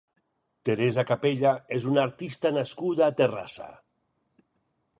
Teresa Capella és una artista nascuda a Terrassa.